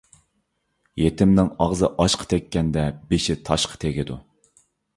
يېتىمنىڭ ئاغزى ئاشقا تەگكەندە، بېشى تاشقا تېگىدۇ.